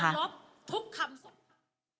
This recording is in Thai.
เราจะลบทุกคำสบประมาท